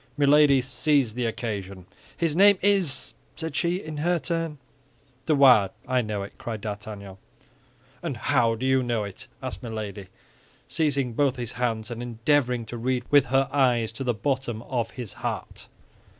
Milady seized the occasion. "His name is—" said she, in her turn. "De Wardes; I know it," cried D'Artagnan. "And how do you know it?" asked Milady, seizing both his hands, and endeavoring to read with her eyes to the bottom of his heart.